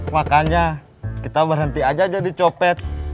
makanya kita berhenti aja jadi copet